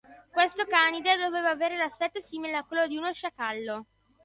Questo canide doveva avere l'aspetto simile a quello di uno sciacallo.